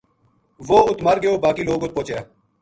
وہ اُت مر گیو باقی لوک اُت پوہچیا